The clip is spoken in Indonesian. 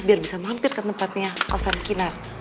biar bisa mampir ke tempatnya pasar kinar